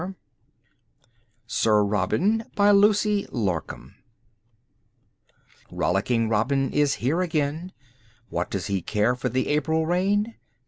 '* SIR ROBIN Rollicking Robin is here again. What does he care for the April rain?